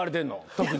特に。